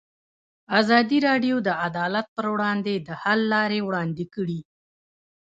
ازادي راډیو د عدالت پر وړاندې د حل لارې وړاندې کړي.